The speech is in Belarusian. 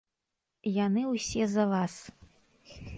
Яны ўсе за вас.